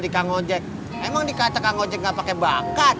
dikangojek emang dikata kangojek gak pake bakat